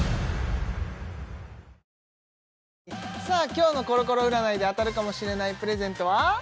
今日のコロコロ占いで当たるかもしれないプレゼントは？